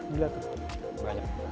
gila tuh banyak